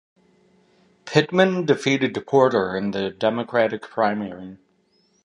Pittman defeated Porter in the Democratic primary.